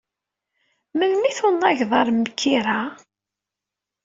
Melmi i tunageḍ ar Mkira?